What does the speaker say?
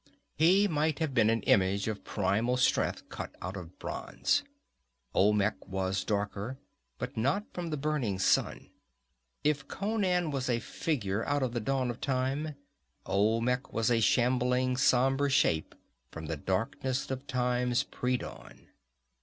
He might have been an image of primal strength cut out of bronze. Olmec was darker, but not from the burning of the sun. If Conan was a figure out of the dawn of Time, Olmec was a shambling, somber shape from the darkness of Time's pre dawn.